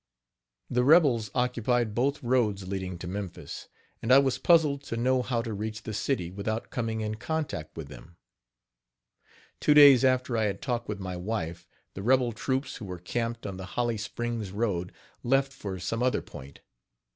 The rebels occupied both roads leading to Memphis, and I was puzzled to know how to reach the city without coming in contact with them. Two days after I had talked with my wife, the rebel troops who were camped on the Holly Springs road left for some other point.